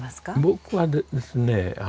僕はですね